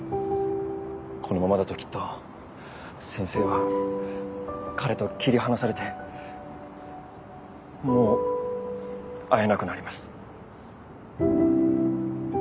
このままだときっと先生は彼と切り離されてもう会えなくなります。